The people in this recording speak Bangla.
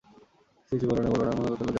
ছী ছী, বলো না, বলো না, মনে করতে লজ্জা বোধ হয়।